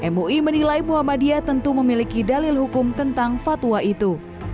mui menilai muhammadiyah tentu memiliki dalil hukum tentang fatwa itu